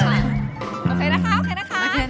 โอเคนะคะ